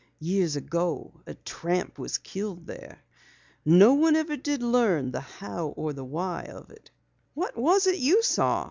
Years ago a tramp was killed there. No one ever did learn the how or why of it." "What was it you saw?"